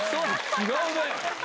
違うね。